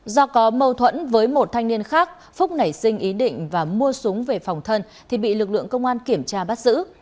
do có mâu thuẫn với một thanh niên khác phúc nảy sinh ý định và mua súng về phòng thân thì bị lực lượng công an kiểm tra bắt giữ